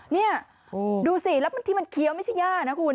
นี่ดูสิแล้วที่มันเคี้ยวไม่ใช่ย่านะคุณ